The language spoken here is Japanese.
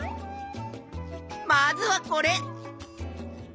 まずはこれ！